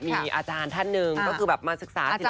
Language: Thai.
มีอาจารย์ท่านหนึ่งก็คือแบบมาศึกษาศิล